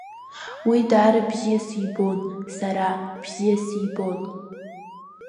Уи даара бзиа сибон сара, бзиа сибон.